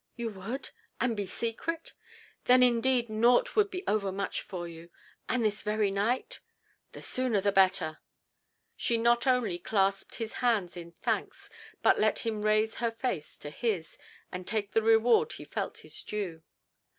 "You would? And be secret? Then indeed nought would be overmuch for you. And this very night—" "The sooner the better." She not only clasped his hand in thanks, but let him raise her face to his, and take the reward he felt his due.